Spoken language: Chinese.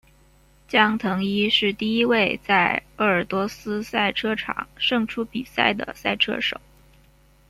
江腾一是第一位在鄂尔多斯赛车场胜出比赛的赛车手。